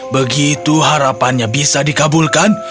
begitu harapannya bisa dikabulkan